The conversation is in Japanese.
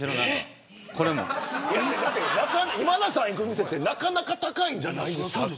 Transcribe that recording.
今田さん行く店ってなかなか高いんじゃないですか。